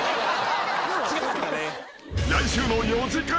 ［来週の４時間